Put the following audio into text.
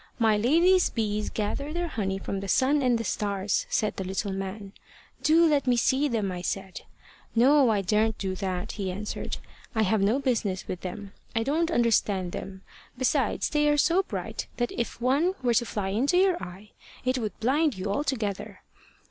`My lady's bees gather their honey from the sun and the stars,' said the little man. `Do let me see them,' I said. `No. I daren't do that,' he answered. `I have no business with them. I don't understand them. Besides, they are so bright that if one were to fly into your eye, it would blind you altogether.'